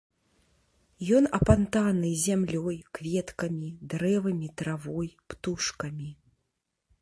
Ён апантаны зямлёй, кветкамі, дрэвамі, травой, птушкамі.